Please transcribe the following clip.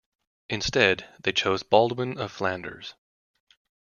Instead, they chose Baldwin of Flanders.